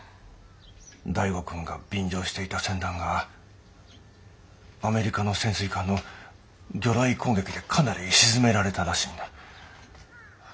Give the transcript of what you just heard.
醍醐君が便乗していた船団がアメリカの潜水艦の魚雷攻撃でかなり沈められたらしいんだ。